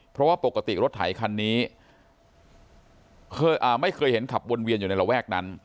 เพราะว่าปกติรถไถคันนี้ไม่เคยเห็นขับวนเวียนอยู่ในระแวกนั้น